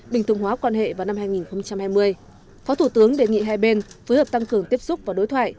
bình thường hóa quan hệ vào năm hai nghìn hai mươi phó thủ tướng đề nghị hai bên phối hợp tăng cường tiếp xúc và đối thoại